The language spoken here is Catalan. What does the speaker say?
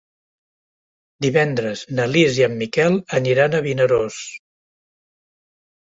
Divendres na Lis i en Miquel aniran a Vinaròs.